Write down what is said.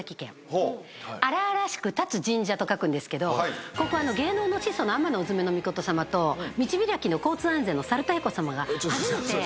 荒々しく立つ神社と書くんですけどここ芸能の始祖の天鈿女命さまと道開きの交通安全の猿田彦さまが初めて。